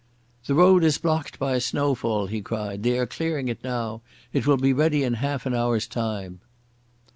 "The road is blocked by a snowfall," he cried. "They are clearing it now. It will be ready in half an hour's time."